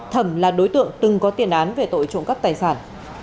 thẩm là đối tượng từng có tiền án về tội trộn cấp tài sản